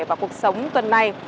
và cuộc sống tuần này